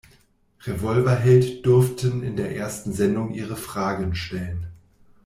Revolverheld durften in der ersten Sendung ihre Fragen stellen.